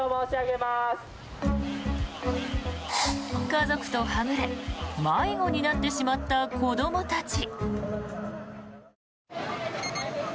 家族とはぐれ迷子になってしまった子どもたち。